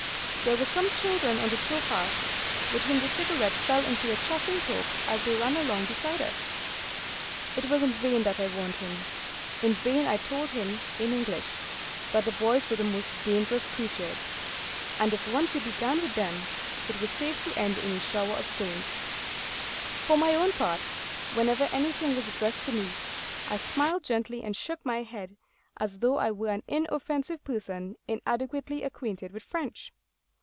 There were some children on the tow path, with whom the Cigarette fell into a chaffing talk as they ran along beside us. It was in vain that I warned him. In vain I told him, in English, that boys were the most dangerous creatures; and if once you began with them, it was safe to end in a shower of stones. For my own part, whenever anything was addressed to me, I smiled gently and shook my head as though I were an inoffensive person inadequately acquainted with French.